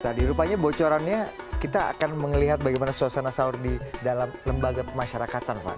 tadi rupanya bocorannya kita akan melihat bagaimana suasana sahur di dalam lembaga pemasyarakatan van